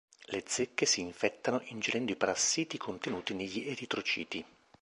Le zecche si infettano ingerendo i parassiti contenuti negli eritrociti.